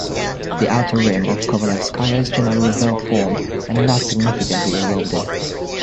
The outer rim of Kovalevskaya is generally well-formed and not significantly eroded.